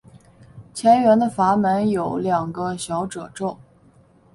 前缘的阀门有两个小皱褶。